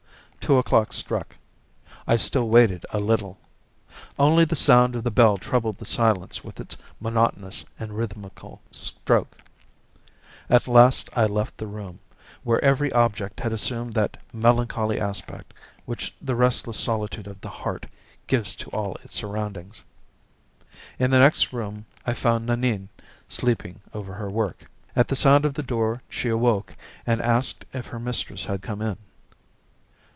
Two o'clock struck. I still waited a little. Only the sound of the bell troubled the silence with its monotonous and rhythmical stroke. At last I left the room, where every object had assumed that melancholy aspect which the restless solitude of the heart gives to all its surroundings. In the next room I found Nanine sleeping over her work. At the sound of the door, she awoke and asked if her mistress had come in.